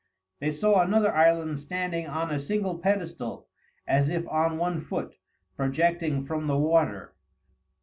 They saw another island standing on a single pedestal, as if on one foot, projecting from the water.